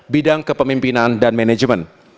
bidang kepemimpinan dan manajemen